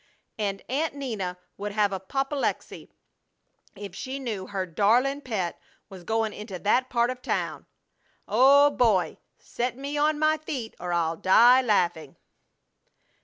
And Aunt Nina would have apoplexy if she knew her 'darlin' pet' was going into that part of town! Oh, boy! Set me on my feet or I'll die laughing!"